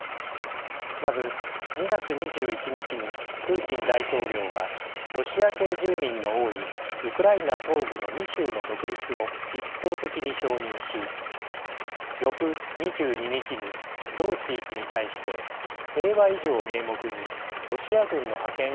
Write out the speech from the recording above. まず２月２１日にプーチン大統領はロシア系住民の多いウクライナ東部の２州の独立を一方的に承認し翌２２日に同地域に対して平和維持を名目にロシア軍の派遣を指示しました。